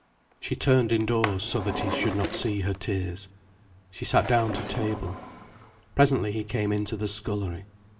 She turned indoors so that he should not see her tears. She sat down to table. Presently he came into the scullery.